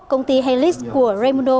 công ty helix của remundo